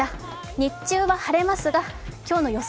日中は晴れますが今日の予想